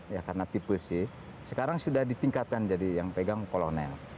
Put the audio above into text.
ya karena tipe c sekarang sudah ditingkatkan jadi yang pegang kolonel